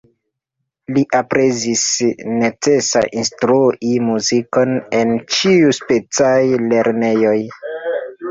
Li aprezis necesa instrui muzikon en ĉiuspecaj lernejoj.